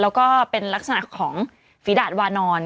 แล้วก็เป็นลักษณะของฝีดาดวานอน